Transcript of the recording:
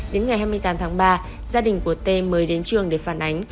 đến ngày hai mươi tám tháng ba gia đình của t mới đến trường để phản ánh